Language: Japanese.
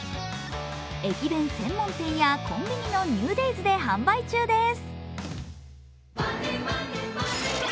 駅弁専門店やコンビニのＮｅｗＤａｙｓで販売中です。